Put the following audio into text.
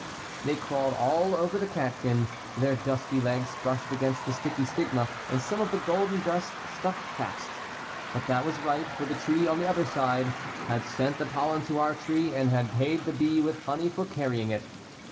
7) They crawled all over the catkin, ir their dusty legs brushed against the : sticky stigma and some of the golden dust stuck fast. But that was right, for the tree on the other side had sent the pollen to our tree and had paid the bee with honey for carrying it.